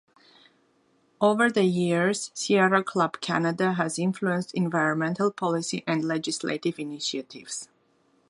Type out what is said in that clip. Over the years Sierra Club Canada has influenced environmental policy and legislative initiatives.